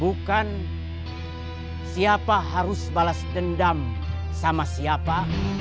bukan siapa harus balas dendam sama siapa